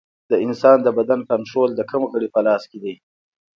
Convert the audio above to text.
د انسان د بدن کنټرول د کوم غړي په لاس کې دی